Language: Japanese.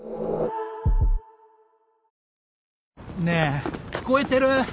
ねえ聞こえてる？